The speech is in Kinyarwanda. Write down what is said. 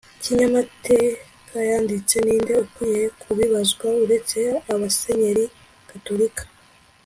kinyamatekayanditse, ninde ukwiye kubibazwa uretse abasenyeri gatolika